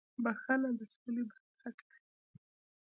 • بښنه د سولې بنسټ دی.